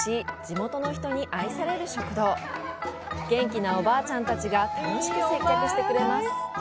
地元の人に愛される食堂元気なおばあちゃんたちが楽しく接客してくれます